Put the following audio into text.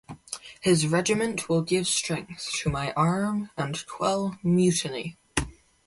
His regiment will give strength to my arm and quell mutiny.